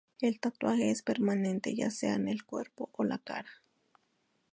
El tatuaje es permanente, ya sea en el cuerpo o la cara.